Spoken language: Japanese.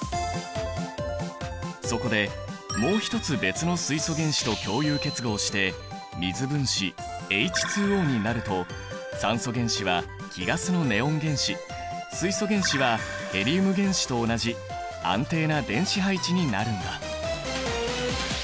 そこでもう一つ別の水素原子と共有結合して水分子ＨＯになると酸素原子は貴ガスのネオン原子水素原子はヘリウム原子と同じ安定な電子配置になるんだ。